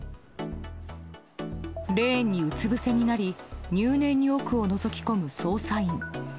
レーンにうつぶせになり入念に奥をのぞき込む捜査員。